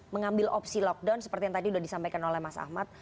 mengambil opsi lockdown seperti yang tadi sudah disampaikan oleh mas ahmad